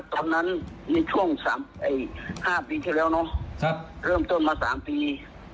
ตอนนั้นในช่วงสามเอ่ยห้าปีที่แล้วเนอะครับเริ่มเติมมาสามปี